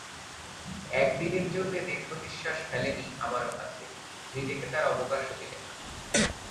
একদিনের জন্যে দীর্ঘনিশ্বাস ফেলে নি আমারও কাছে, নিজেকে তার অবকাশও দিলে না।